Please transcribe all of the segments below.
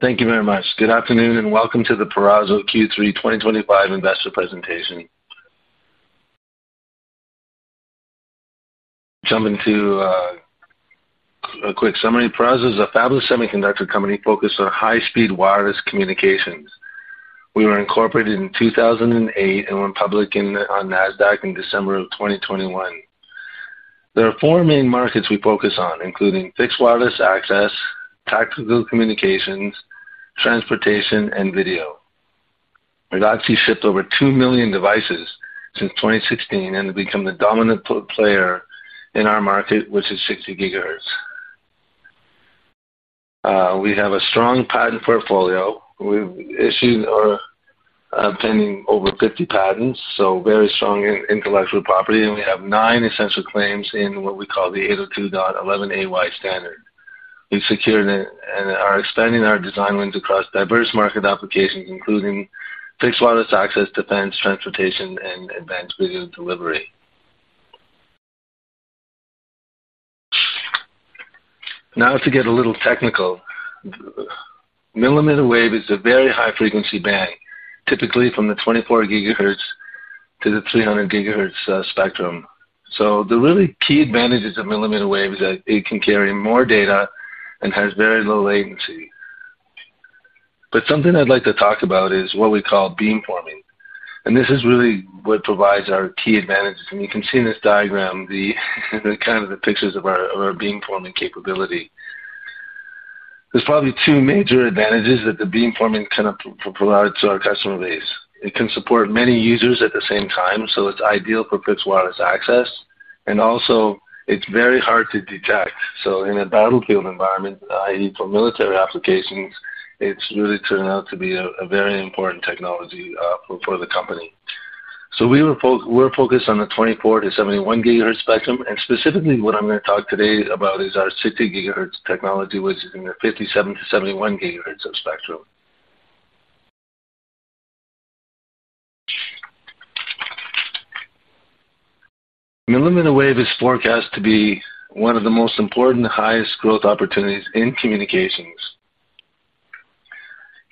Thank you very much. Good afternoon and welcome to the Peraso Q3 2025 investor presentation. Jumping to a quick summary, Peraso is a fabless semiconductor company focused on high-speed wireless communications. We were incorporated in 2008 and went public on NASDAQ in December of 2021. There are four main markets we focus on, including fixed wireless access, tactical communications, transportation, and video. We've actually shipped over 2 million devices since 2016 and have become the dominant player in our market, which is 60 GHz. We have a strong patent portfolio. We've issued or obtained over 50 patents, so very strong intellectual property, and we have nine essential claims in what we call the 802.11ay standard. We've secured and are expanding our design wins across diverse market applications, including fixed wireless access, defense, transportation, and advanced video delivery. Now, to get a little technical, millimeter wave is a very high-frequency band, typically from the 24 GHz to the 300 GHz spectrum. The really key advantages of millimeter wave is that it can carry more data and has very low latency. Something I'd like to talk about is what we call beamforming. This is really what provides our key advantages. You can see in this diagram the kind of the pictures of our beamforming capability. There are probably two major advantages that the beamforming can provide to our customer base. It can support many users at the same time, so it's ideal for fixed wireless access. Also, it's very hard to detect. In a battlefield environment, i.e., for military applications, it's really turned out to be a very important technology for the company. We were focused on the 24 to 71 GHz spectrum. Specifically, what I'm going to talk today about is our 60 GHz technology, which is in the 57 to 71 GHz spectrum. Millimeter wave is forecast to be one of the most important highest growth opportunities in communications.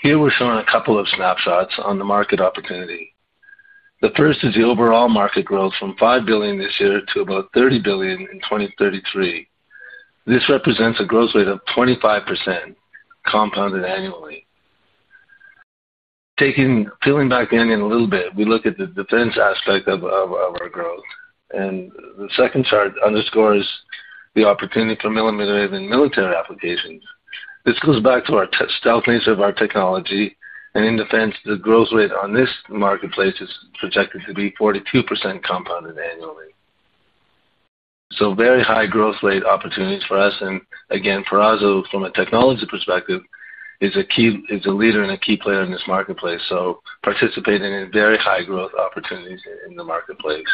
Here, we're showing a couple of snapshots on the market opportunity. The first is the overall market growth from $5 billion this year to about $30 billion in 2033. This represents a growth rate of 25% compounded annually. Taking back in a little bit, we look at the defense aspect of our growth. The second chart underscores the opportunity for millimeter wave in military applications. This goes back to our stalwarts of our technology. In defense, the growth rate on this marketplace is projected to be 42% compounded annually. Very high growth rate opportunities for us. Peraso, from a technology perspective, is a leader and a key player in this marketplace. Participating in very high growth opportunities in the marketplace.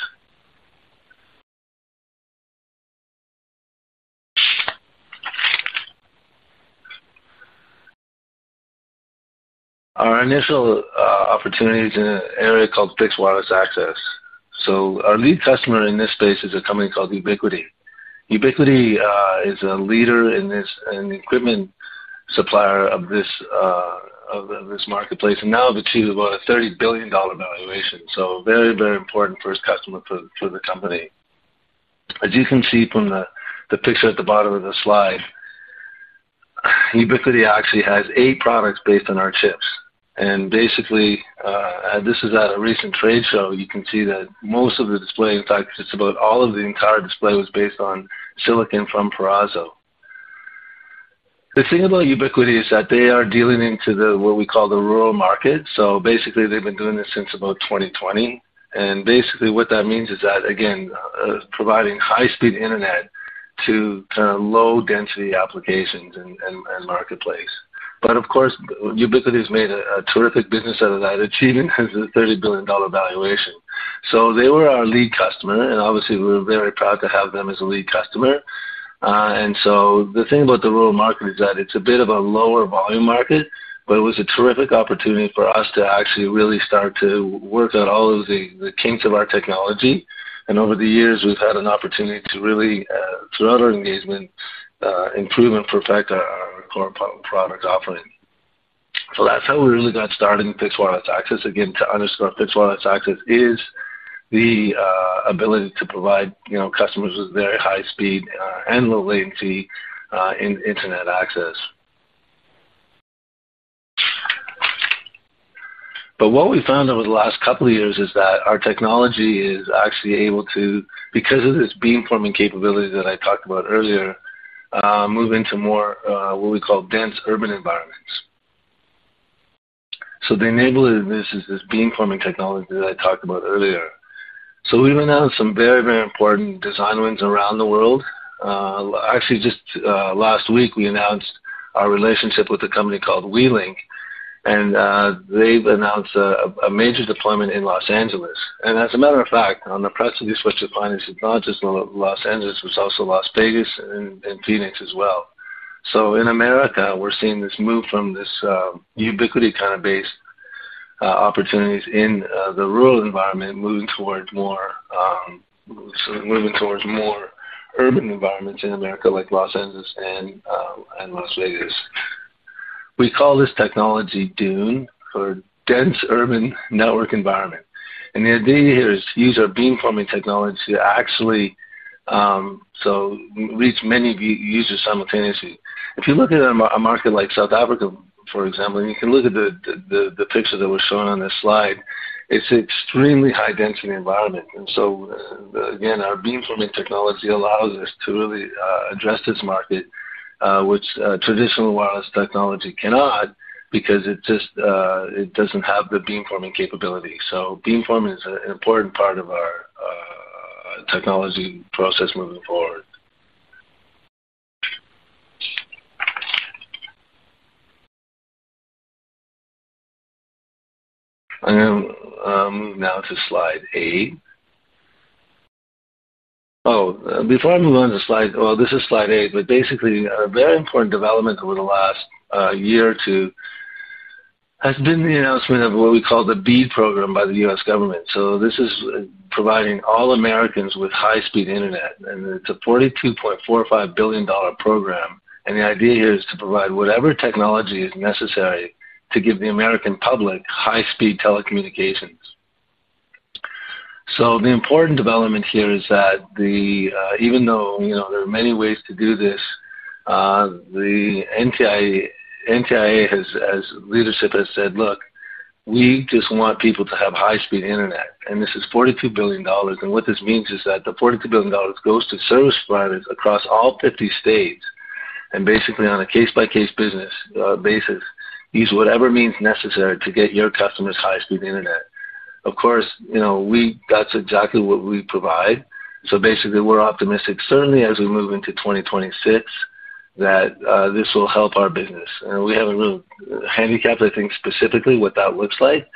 Our initial opportunity is in an area called fixed wireless access. Our lead customer in this space is a company called Ubiquiti. Ubiquiti is a leader in this and an equipment supplier of this marketplace. Now, the tier of a $30 billion valuation. Very, very important first customer for the company. As you can see from the picture at the bottom of the slide, Ubiquiti actually has eight products based on our chip. Basically, this is at a recent trade show. You can see that most of the display, in fact, just about all of the entire display was based on silicon from Peraso. The thing about Ubiquiti is that they are dealing into what we call the rural market. Basically, they've been doing this since about 2020. What that means is that, again, providing high-speed internet to kind of low-density applications and marketplace. Ubiquiti has made a terrific business out of that achievement as a $30 billion valuation. They were our lead customer. Obviously, we're very proud to have them as a lead customer. The thing about the rural market is that it's a bit of a lower volume market, but it was a terrific opportunity for us to actually really start to work on all of the kinks of our technology. Over the years, we've had an opportunity to really, throughout our engagement, improve and perfect our core product offering. That's how we really got started in fixed wireless access. Again, to underscore, fixed wireless access is the ability to provide customers with very high speed and low latency in internet access. What we found over the last couple of years is that our technology is actually able to, because of this beamforming capability that I talked about earlier, move into more what we call dense urban environments. The enabler of this is this beamforming technology that I talked about earlier. We've announced some very, very important design wins around the world. Actually, just last week, we announced our relationship with a company called WeLink. They've announced a major deployment in Los Angeles. As a matter of fact, on the press release what you find is not just Los Angeles, but it's also Las Vegas and Phoenix as well. In America, we're seeing this move from this Ubiquiti kind of based opportunities in the rural environment, moving towards more urban environments in America like Los Angeles and Las Vegas. We call this technology DUNE, or Dense Urban Network Environment. The idea here is to use our beamforming technology to actually reach many users simultaneously. If you look at a market like South Africa, for example, and you can look at the picture that we're showing on this slide, it's an extremely high-density environment. Again, our beamforming technology allows us to really address this market, which traditional wireless technology cannot because it just doesn't have the beamforming capability. Beamforming is an important part of our technology process moving forward. I am moving now to slide eight. Before I move on to slide eight, this is slide eight. Basically, a very important development over the last year or two has been the announcement of what we call the BEAD program by the U.S. government. This is providing all Americans with high-speed internet. It's a $42.45 billion program. The idea here is to provide whatever technology is necessary to give the American public high-speed telecommunications. The important development here is that even though there are many ways to do this, the NTIA leadership has said, look, we just want people to have high-speed internet. This is $42 billion. What this means is that the $42 billion goes to service providers across all 50 states. Basically, on a case-by-case basis, use whatever means necessary to get your customers high-speed internet. Of course, you know that's exactly what we provide. We're optimistic, certainly as we move into 2026, that this will help our business. We haven't really handicapped, I think, specifically what that looks like.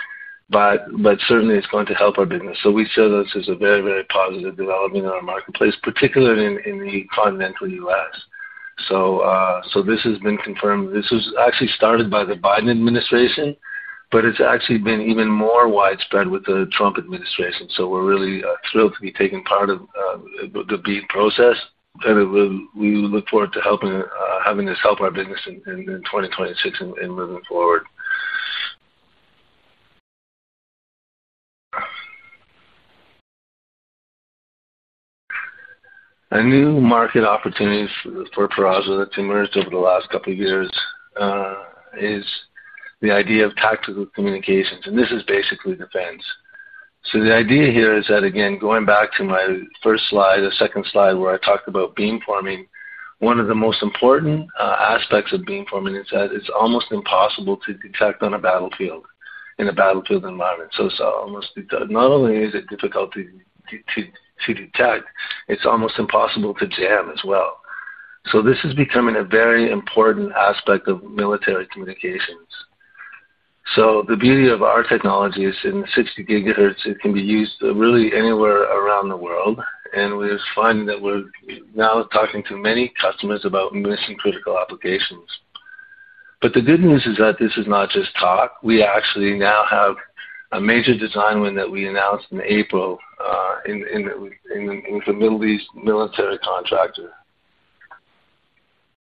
Certainly, it's going to help our business. We show this as a very, very positive development in our marketplace, particularly in the continental U.S. This has been confirmed. This was actually started by the Biden administration. It's actually been even more widespread with the Trump administration. We're really thrilled to be taking part of the BEAD process. We look forward to having this help our business in 2026 and moving forward. A new market opportunity for Peraso that's emerged over the last couple of years is the idea of tactical communications. This is basically defense. The idea here is that, again, going back to my first slide, the second slide where I talked about beamforming, one of the most important aspects of beamforming is that it's almost impossible to detect on a battlefield, in a battlefield environment. It's almost not only is it difficult to detect, it's almost impossible to jam as well. This is becoming a very important aspect of military communications. The beauty of our technology is in the 60 GHz, it can be used really anywhere around the world. We're finding that we're now talking to many customers about mission-critical applications. The good news is that this is not just talk. We actually now have a major design win that we announced in April with a Middle East military contractor.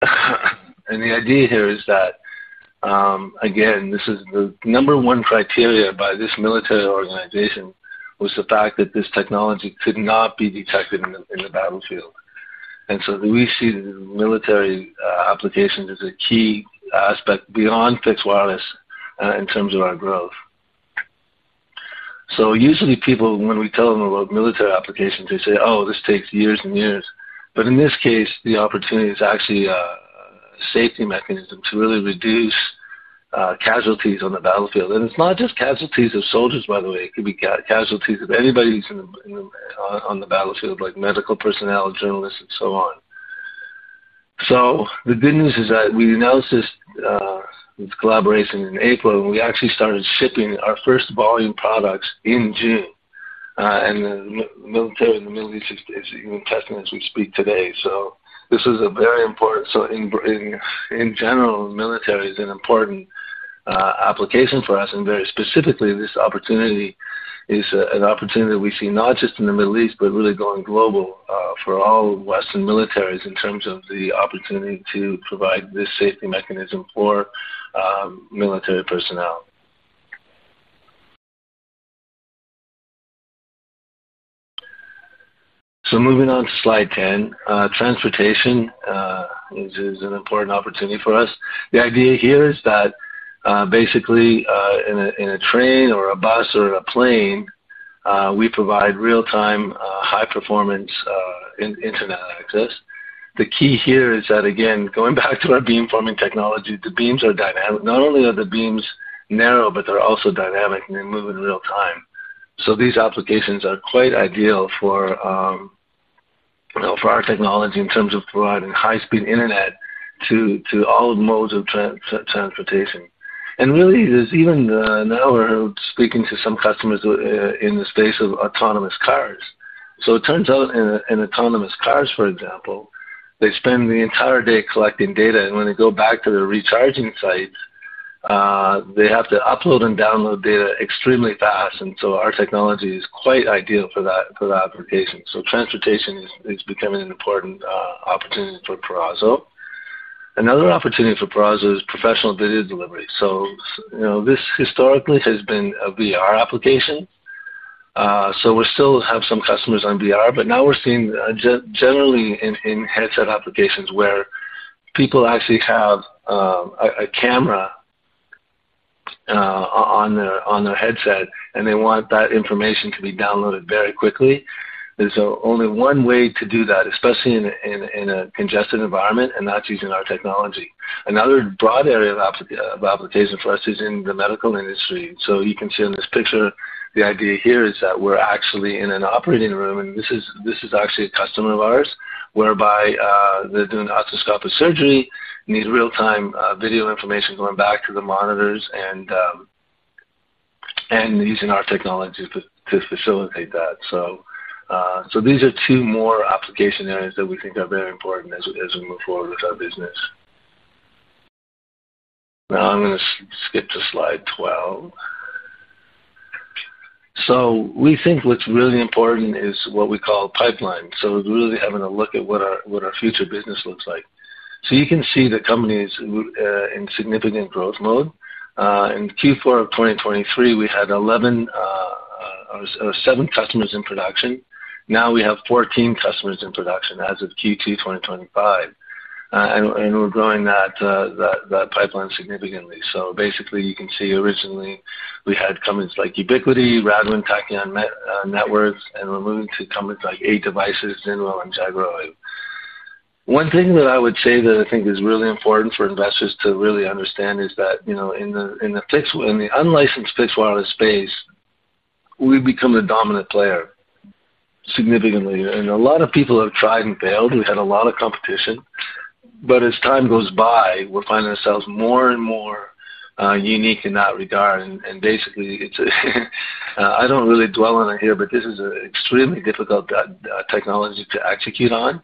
The idea here is that, again, this is the number one criteria by this military organization was the fact that this technology could not be detected in the battlefield. We see the military applications as a key aspect beyond fixed wireless in terms of our growth. Usually, people, when we tell them about military applications, they say, oh, this takes years and years. In this case, the opportunity is actually a safety mechanism to really reduce casualties on the battlefield. It's not just casualties of soldiers, by the way. It could be casualties of anybody who's on the battlefield, like medical personnel, journalists, and so on. The good news is that we announced this collaboration in April. We actually started shipping our first volume products in June. The military in the Middle East is even testing as we speak today. This was a very important, so in general, military is an important application for us. Very specifically, this opportunity is an opportunity that we see not just in the Middle East, but really going global for all Western militaries in terms of the opportunity to provide this safety mechanism for military personnel. Moving on to slide 10, transportation is an important opportunity for us. The idea here is that basically, in a train or a bus or a plane, we provide real-time high-performance internet access. The key here is that, again, going back to our beamforming technology, the beams are dynamic. Not only are the beams narrow, but they're also dynamic and they move in real time. These applications are quite ideal for our technology in terms of providing high-speed internet to all modes of transportation. There's even now we're speaking to some customers in the space of autonomous cars. It turns out in autonomous cars, for example, they spend the entire day collecting data. When they go back to their recharging site, they have to upload and download data extremely fast. Our technology is quite ideal for that application. Transportation is becoming an important opportunity for Peraso. Another opportunity for Peraso is professional video delivery. This historically has been a VR application. We still have some customers on VR, but now we're seeing generally in headset applications where people actually have a camera on their headset, and they want that information to be downloaded very quickly. There's only one way to do that, especially in a congested environment, and that's using our technology. Another broad area of application for us is in the medical industry. You can see in this picture, the idea here is that we're actually in an operating room. This is actually a customer of ours whereby they're doing arthroscopic surgery, need real-time video information going back to the monitors, and using our technology to facilitate that. These are two more application areas that we think are very important as we move forward with our business. Now, I'm going to skip to slide 12. We think what's really important is what we call pipeline, really having a look at what our future business looks like. You can see the company is in significant growth mode. In Q4 2023, we had 11 or 7 customers in production. Now, we have 14 customers in production as of Q2 2025, and we're growing that pipeline significantly. Basically, you can see originally, we had companies like Ubiquiti, Raglan, Pakion Networks, and we moved to companies like 8Devices, Zenwell, and Jagroive. One thing that I would say that I think is really important for investors to really understand is that in the unlicensed fixed wireless space, we've become the dominant player significantly. A lot of people have tried and failed. We had a lot of competition. As time goes by, we'll find ourselves more and more unique in that regard. I don't really dwell on it here, but this is an extremely difficult technology to execute on.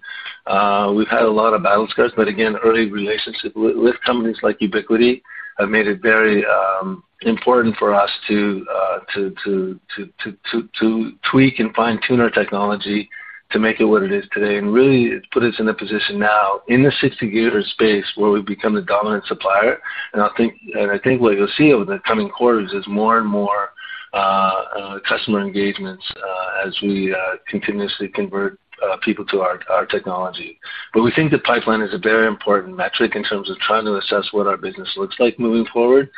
We've had a lot of battle scars. Again, early relationships with companies like Ubiquiti have made it very important for us to tweak and fine-tune our technology to make it what it is today. It puts us in a position now in the 60 GHz space where we've become the dominant supplier. I think what you'll see over the coming quarters is more and more customer engagements as we continuously convert people to our technology. We think the pipeline is a very important metric in terms of trying to assess what our business looks like moving forward.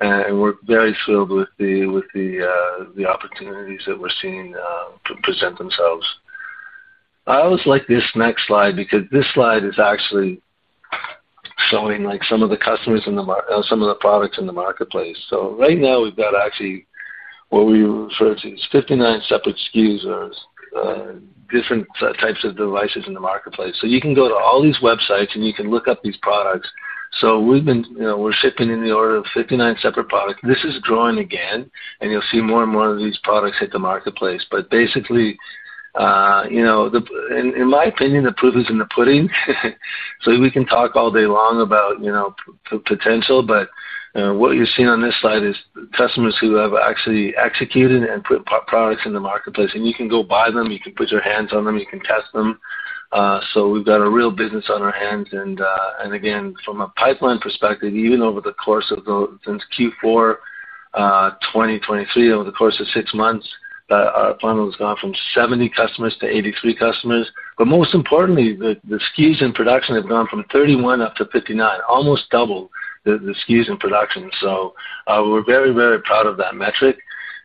We're very thrilled with the opportunities that we're seeing present themselves. I always like this next slide because this slide is actually showing some of the customers and some of the products in the marketplace. Right now, we've got actually what we refer to as 59 separate SKUs or different types of devices in the marketplace. You can go to all these websites and you can look up these products. We've been shipping in the order of 59 separate products. This is growing again. You'll see more and more of these products hit the marketplace. Basically, in my opinion, the proof is in the pudding. We can talk all day long about potential. What you're seeing on this slide is customers who have actually executed and put products in the marketplace. You can go buy them. You can put your hands on them. You can test them. We've got a real business on our hands. Again, from a pipeline perspective, even over the course of Q4 2023, over the course of six months, our funnel has gone from 70 customers to 83 customers. Most importantly, the SKUs in production have gone from 31 up to 59, almost double the SKUs in production. We're very, very proud of that metric.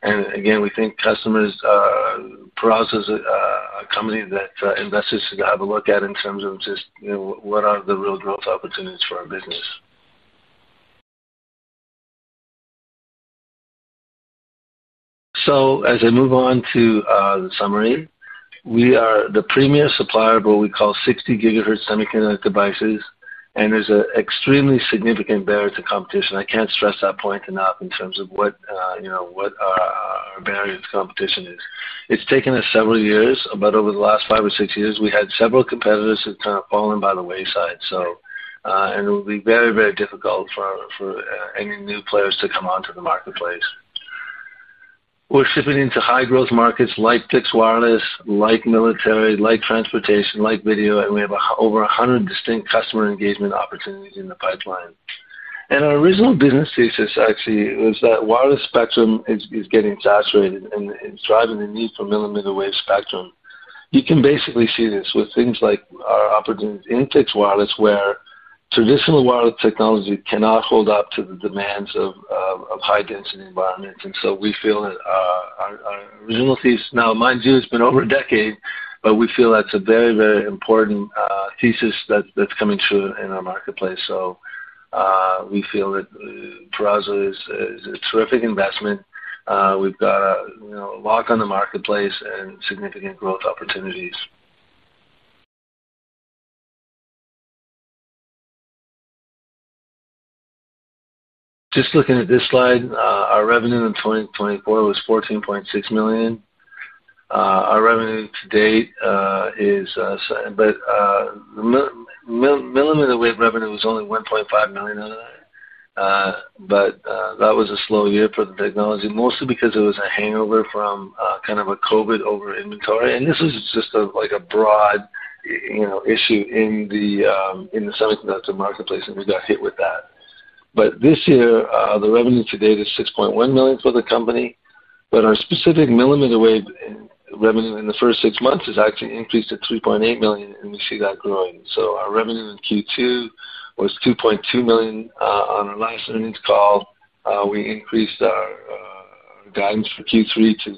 We think Peraso is a company that investors should have a look at in terms of just what are the real growth opportunities for our business. As I move on to the summary, we are the premier supplier of what we call 60 GHz semiconductor devices. There's an extremely significant barrier to competition. I can't stress that point enough in terms of what our barrier to competition is. It's taken us several years. Over the last five or six years, we had several competitors who have kind of fallen by the wayside. It will be very, very difficult for any new players to come onto the marketplace. We're shipping into high-growth markets like fixed wireless, like military, like transportation, like video. We have over 100 distinct customer engagement opportunities in the pipeline. Our original business thesis actually was that wireless spectrum is getting saturated and driving the need for millimeter wave spectrum. You can basically see this with things like our opportunities in fixed wireless where traditional wireless technology cannot hold up to the demands of high-density environments. We feel that our original thesis, now mind you, it's been over a decade, but we feel that's a very, very important thesis that's coming true in our marketplace. We feel that Peraso is a terrific investment. We've got a lot on the marketplace and significant growth opportunities. Just looking at this slide, our revenue in 2024 was $14.6 million. Our revenue to date is, but the millimeter wave revenue was only $1.5 million. That was a slow year for the technology, mostly because it was a hangover from kind of a COVID over inventory. This was just like a broad, you know, issue in the semiconductor marketplace that we got hit with that. This year, the revenue to date is $6.1 million for the company. Our specific millimeter wave revenue in the first six months has actually increased to $3.8 million. We see that growing. Our revenue in Q2 was $2.2 million. On our last earnings call, we increased our guidance for Q3 to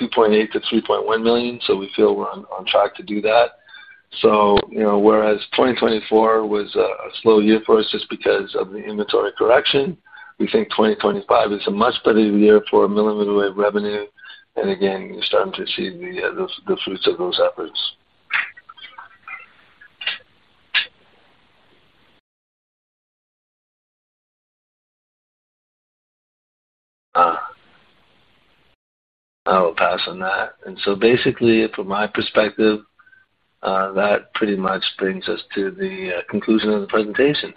$2.8 to $3.1 million. We feel we're on track to do that. Whereas 2024 was a slow year for us just because of the inventory correction, we think 2025 is a much better year for millimeter wave revenue. Again, you're starting to see the fruits of those efforts. I will pass on that. From my perspective, that pretty much brings us to the conclusion of the presentation.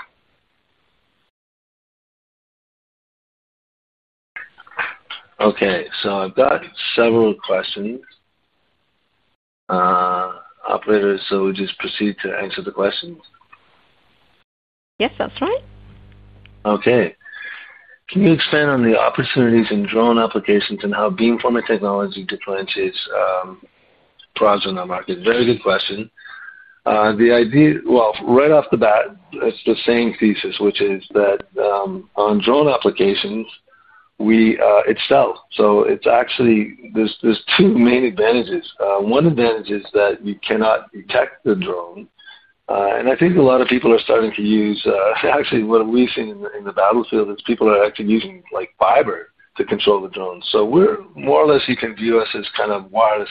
OK, so I've got several questions. Operator, so we just proceed to answer the questions? Yes, that's right. OK. Can you expand on the opportunities in drone applications and how beamforming technology differentiates Peraso in our market? Very good question. The idea, right off the bat, it's the same thesis, which is that on drone applications, it sells. It's actually, there's two main advantages. One advantage is that you cannot detect the drone. I think a lot of people are starting to use, actually, what we've seen in the battlefield is people are actually using like fiber to control the drone. We're more or less, you can view us as kind of wireless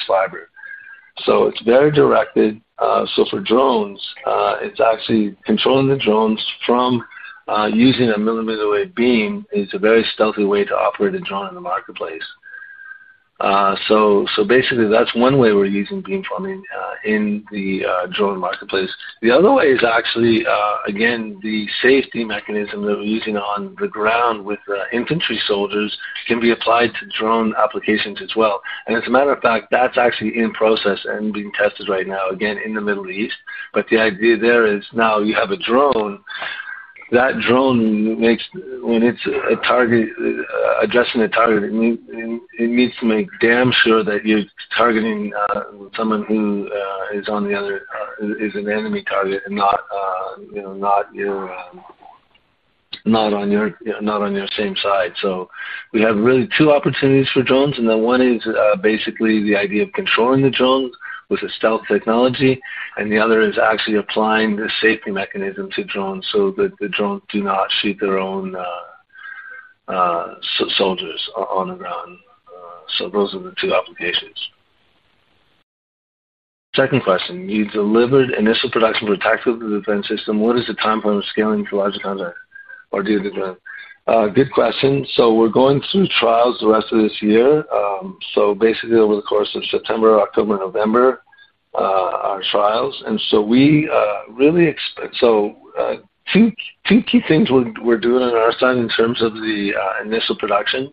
fiber. It's very directed. For drones, actually controlling the drones from using a millimeter wave beam is a very stealthy way to operate a drone in the marketplace. That's one way we're using beamforming in the drone marketplace. The other way is actually, again, the safety mechanism that we're using on the ground with the infantry soldiers can be applied to drone applications as well. As a matter of fact, that's actually in process and being tested right now, again, in the Middle East. The idea there is now you have a drone. That drone, when it's addressing a target, it needs to make damn sure that you're targeting someone who is on the other is an enemy target and not on your same side. We have really two opportunities for drones. One is basically the idea of controlling the drone with a stealth technology. The other is actually applying the safety mechanism to drones so that the drones do not shoot their own soldiers on the ground. Those are the two applications. Second question, you delivered initial production for a tactical defense system. What is the time frame of scaling to larger contracts? Good question. We're going through trials the rest of this year. Over the course of September, October, and November are trials. We really expect, two key things we're doing on our side in terms of the initial production.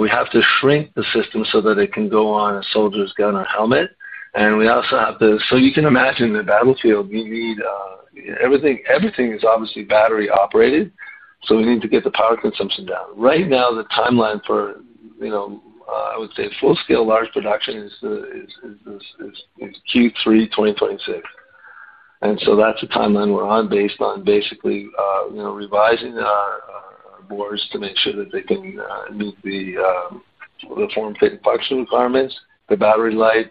We have to shrink the system so that it can go on a soldier's gun or helmet. You can imagine the battlefield, we need everything. Everything is obviously battery operated. We need to get the power consumption down. Right now, the timeline for, I would say full-scale large production is Q3 2026. That's the timeline we're on based on basically revising our boards to make sure that they can meet the form-fitting partition requirements, the battery light,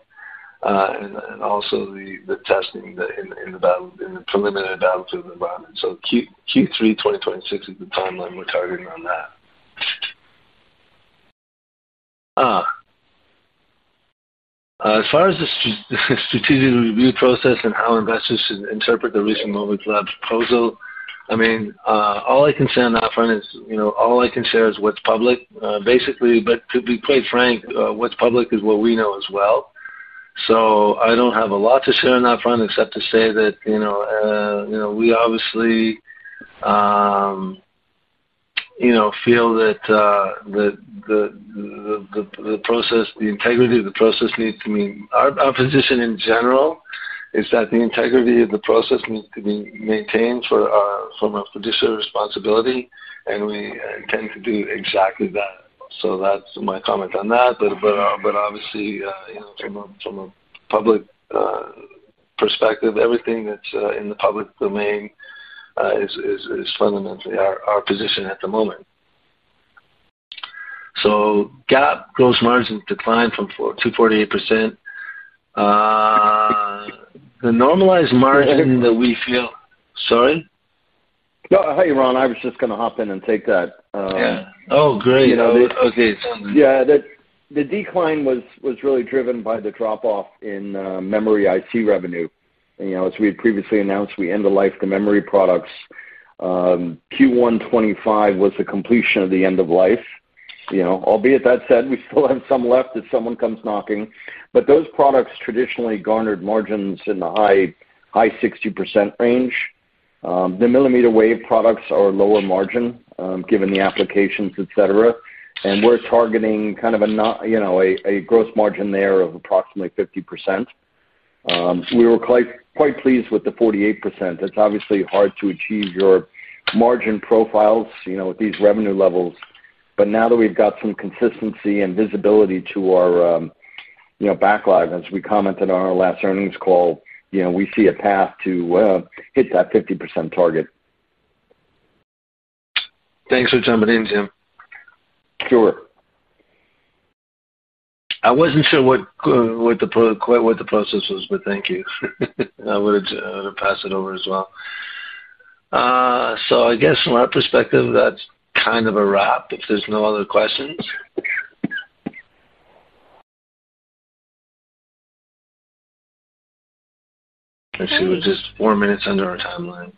and also the testing in the preliminary battlefield environment. Q3 2026 is the timeline we're targeting on that. As far as the strategic review process and how investors should interpret the recent MobileCloud proposal, all I can say on that front is all I can share is what's public. Basically, to be quite frank, what's public is what we know as well. I don't have a lot to share on that front except to say that we obviously feel that the process, the integrity of the process needs to be, our position in general is that the integrity of the process needs to be maintained from a fiduciary responsibility. We intend to do exactly that. That's my comment on that. Obviously, from a public perspective, everything that's in the public domain is fundamentally our position at the moment. GAAP gross margin declined from 248%. The normalized margin that we feel, sorry? No, Ron, I was just going to hop in and take that. Yeah, oh, great. You know, OK, sounds good. Yeah, the decline was really driven by the drop-off in memory integrated circuit revenue. As we had previously announced, we end-of-life the memory products. Q1 2025 was the completion of the end of life. Albeit that said, we still have some left if someone comes knocking. Those products traditionally garnered margins in the high 60% range. The millimeter wave products are a lower margin given the applications, et cetera. We're targeting kind of a, you know, a gross margin there of approximately 50%. We were quite pleased with the 48%. It's obviously hard to achieve your margin profiles with these revenue levels. Now that we've got some consistency and visibility to our backlog, as we commented on our last earnings call, we see a path to hit that 50% target. Thanks for jumping in, Jim. Sure. I wasn't sure what the process was, but thank you. I would have passed it over as well. From our perspective, that's kind of a wrap if there's no other questions. I see we're just four minutes under our timeline.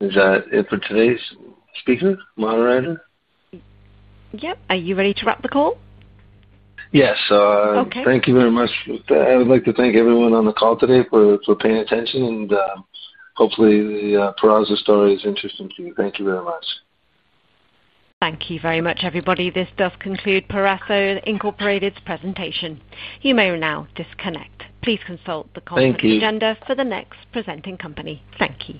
Is that it for today's speaker, moderator? Yep. Are you ready to wrap the call? Yes, thank you very much. I would like to thank everyone on the call today for paying attention. Hopefully, the Peraso story is interesting to you. Thank you very much. Thank you very much, everybody. This does conclude Peraso Inc.'s presentation. You may now disconnect. Please consult the conference agenda for the next presenting company. Thank you.